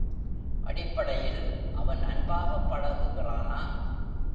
அடிப்படையில் அவன் அன்பாகப் பழகுகிறானா?